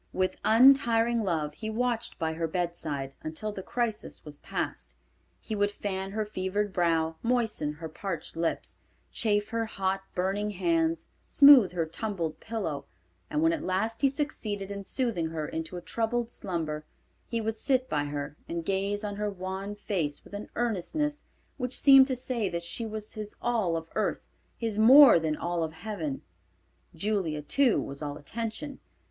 With untiring love he watched by her bedside until the crisis was passed. He would fan her fevered brow, moisten her parched lips, chafe her hot, burning hands, smooth her tumbled pillow, and when at last he succeeded in soothing her into a troubled slumber, he would sit by her and gaze on her wan face with an earnestness which seemed to say that she was his all of earth, his more than all of heaven. Julia too was all attention.